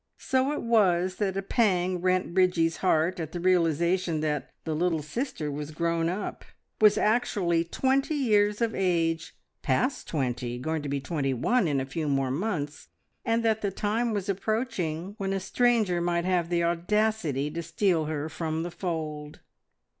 So it was that a pang rent Bridgie's heart at the realisation that the little sister was grown up, was actually twenty years of age past twenty, going to be twenty one in a few more months, and that the time was approaching when a stranger might have the audacity to steal her from the fold.